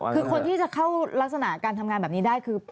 คือคนที่จะเข้ารักษณะการทำงานแบบนี้ได้คือ